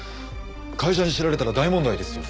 会社に知られたら大問題ですよ。